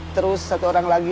terus satu orang lagi